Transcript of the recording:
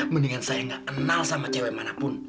mendingan saya nggak kenal sama cewek manapun